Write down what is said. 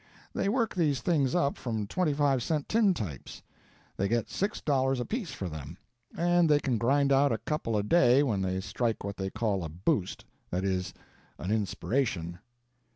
They work these things up from twenty five cent tintypes; they get six dollars apiece for them, and they can grind out a couple a day when they strike what they call a boost—that is, an inspiration."